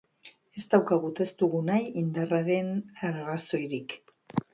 Ez daukagu eta ez dugu nahi indarraren arrazoirik.